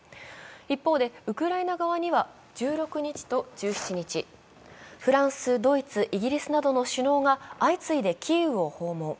一方で、ウクライナ側には１６日と１７日、フランス、ドイツ、イギリスなどの首脳が相次いでキーウを訪問。